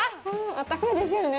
あったかいですよね。